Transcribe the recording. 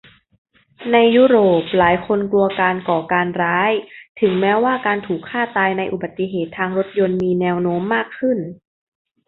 ในยุโรปหลายคนกลัวการก่อการร้ายถึงแม้ว่าการถูกฆ่าตายในอุบัติเหตุทางรถยนต์มีแนวโน้มมากขึ้น